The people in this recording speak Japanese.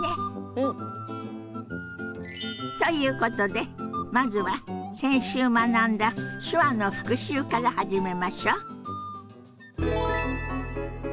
うん！ということでまずは先週学んだ手話の復習から始めましょ。